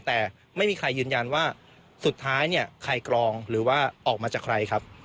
แต่ไม่มีใครยืนยันว่าสุดท้ายเนี่ยใครกรองหรือว่าออกมาจากใครครับ